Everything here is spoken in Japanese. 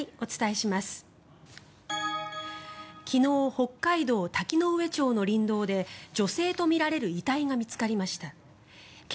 昨日、北海道滝上町の林道で女性とみられる遺体が見つかりました。